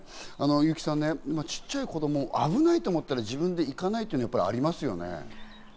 優木さんね、ちっちゃい子供は危ないと思ったら自分で行かないっていうのありますよね。